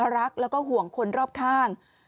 รักแล้วก็ห่วงคนรอบข้าง